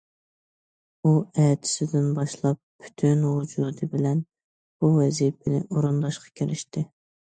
ئۇ ئەتىسىدىن باشلاپ پۈتۈن ۋۇجۇدى بىلەن بۇ ۋەزىپىنى ئورۇنداشقا كىرىشتى.